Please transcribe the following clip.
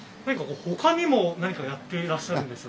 他にも何かやっていらっしゃるんですよね。